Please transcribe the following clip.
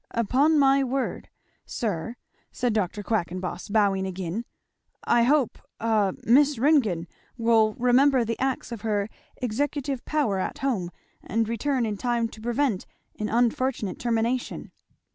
"Upon my word, sir," said Dr. Quackenboss bowing again, "I hope a Miss Ringgan! will remember the acts of her executive power at home, and return in time to prevent an unfortunate termination!"